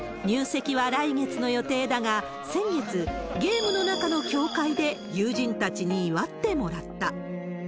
入籍は来月の予定だが、先月、ゲームの中の教会で友人たちに祝ってもらった。